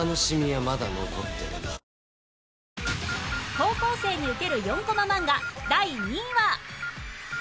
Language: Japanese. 高校生にウケる４コマ漫画第２位は